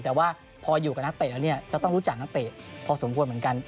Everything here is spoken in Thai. แต่ว่าพออยู่กับนักเตะแล้วเนี่ยจะต้องรู้จักนักเตะพอสมควรเหมือนกัน